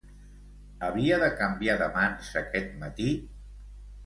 Havia de canviar de mans aquest matí?